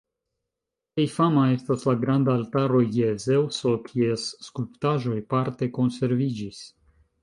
Plej fama estas la granda Altaro je Zeŭso, kies skulptaĵoj parte konserviĝis.